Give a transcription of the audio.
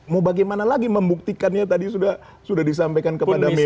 mau bagaimana lagi membuktikannya tadi sudah disampaikan kepada media